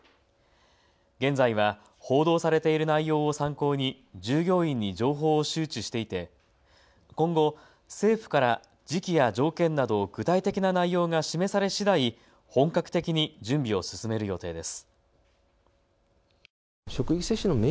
現在は報道されている内容を参考に従業員に情報を周知していて今後、政府から時期や条件など具体的な内容が示されしだい、本格的に準備を進める予定です。